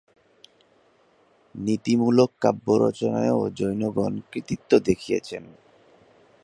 নীতিমূলক কাব্য রচনায়ও জৈনগণ কৃতিত্ব দেখিয়েছেন।